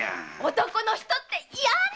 男の人っていやね！